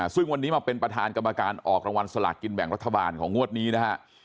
ซึ่งวันนี้มาเป็นประธานกรรมการออกรางวัลสลากกินแบ่งรัฐบาลของงวดนี้นะฮะ